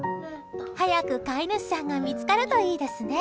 早く、飼い主さんが見つかるといいですね。